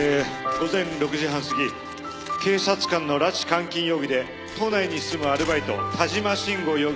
午前６時半すぎ警察官の拉致監禁容疑で都内に住むアルバイト田島慎吾容疑者